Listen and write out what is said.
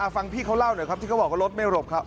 ฟังพี่เขาเล่าหน่อยครับที่เขาบอกว่ารถไม่หลบครับ